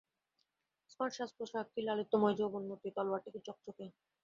Smart সাজপোশাক, কী লালিত্যময় যৌবনমূর্তি, তলোয়ারটা কী চকচকে।